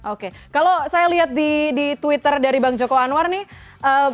oke kalau saya lihat di twitter dari bang joko anwar nih